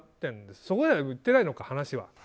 そこまで言ってないのか、話は。